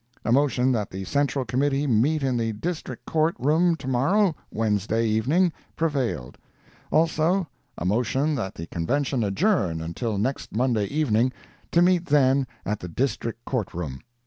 A motion that the Central Committee meet in the District Court room to morrow (Wednesday) evening, prevailed. Also, a motion that the Convention adjourn until next Monday evening—to meet then at the District Court room.